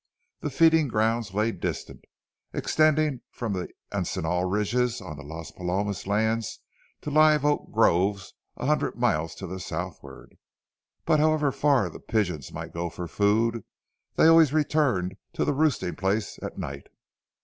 The feeding grounds lay distant, extending from the encinal ridges on the Las Palomas lands to live oak groves a hundred miles to the southward. But however far the pigeons might go for food, they always returned to the roosting place at night.